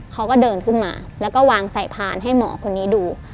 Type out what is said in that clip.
เขาก็เดินขึ้นมาแล้วก็วางสายพานให้หมอคนนี้ดู